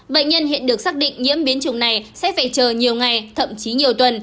bệnh nhân hiện được xác định nhiễm biến trùng này sẽ phải chờ nhiều ngày thậm chí nhiều tuần